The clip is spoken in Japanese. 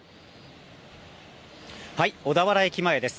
小田原駅前です。